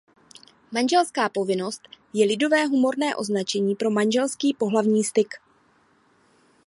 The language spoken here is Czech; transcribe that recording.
Manželská povinnost je lidové humorné označení pro manželský pohlavní styk.